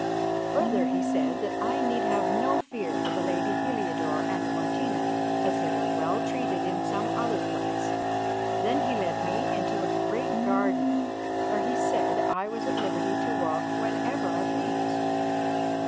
Further, he said that I need have no fear for the lady Heliodore and Martina, as they were well treated in some other place. Then he led me into a great garden, where he said I was at liberty to walk whenever I pleased.